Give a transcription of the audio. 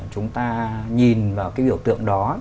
chúng ta nhìn vào cái biểu tượng đó